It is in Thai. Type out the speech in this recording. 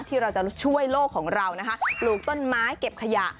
ที่เราจะช่วยโลกของเรานะคะปลูกต้นไม้เก็บขยะ